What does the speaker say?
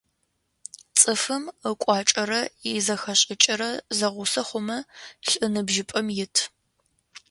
Цӏыфым ыкӏуачӏэрэ изэхэшӏыкӏрэ зэгъусэ хъумэ лӏы ныбжьыпӏэм ит.